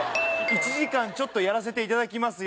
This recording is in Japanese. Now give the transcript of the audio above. １時間ちょっとやらせていただきます。